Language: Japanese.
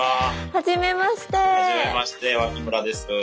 はじめまして脇村です。